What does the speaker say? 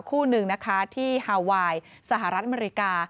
คู่หนึ่งนะคะที่ฮาไวน์สหรัฐอเมริกา